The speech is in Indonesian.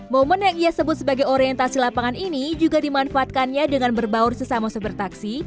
momen yang ia sebut sebagai orientasi lapangan ini juga dimanfaatkannya dengan berbaur sesama sopir taksi